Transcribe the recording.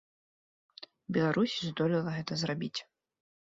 Беларусь здолела гэта зрабіць.